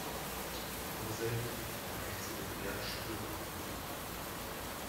Nur selten erreicht sie den Wert spürbarer Beben.